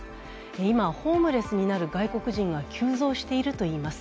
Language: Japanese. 今、ホームレスになる外国人が急増しているといいます。